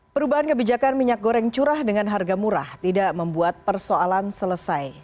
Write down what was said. perubahan kebijakan minyak goreng curah dengan harga murah tidak membuat persoalan selesai